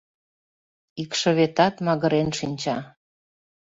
Икшыветат магырен шинча.